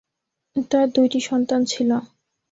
তার দুইটি সন্তান ছিল।